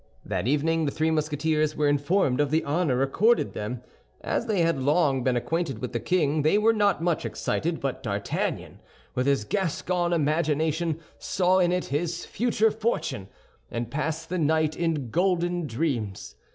That evening the three Musketeers were informed of the honor accorded them. As they had long been acquainted with the king, they were not much excited; but D'Artagnan, with his Gascon imagination, saw in it his future fortune, and passed the night in golden dreams.